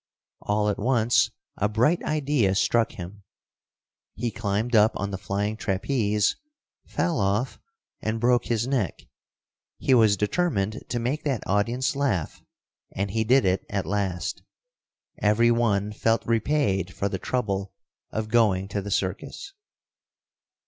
All at once a bright idea struck him. He climbed up on the flying trapeze, fell off, and broke his neck. He was determined to make that audience laugh, and he did it at last. Every one felt repaid for the trouble of going to the circus.